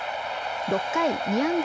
６回２安打